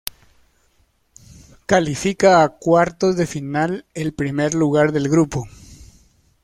Califica a cuartos de final el primer lugar del grupo.